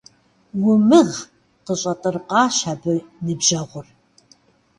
Умыгъ! – къыкӀэщӀэтӀыркъащ абы ныбжьэгъур.